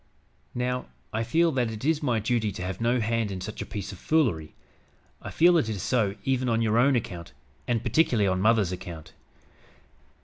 "Now, I feel that it is my duty to have no hand in such a piece of foolery. I feel it is so even on your own account, and particularly on mother's account.